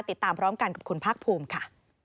ติดตามพร้อมกันกับคุณภาคภูมิค่ะ